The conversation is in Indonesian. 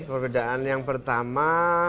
perbedaan yang pertama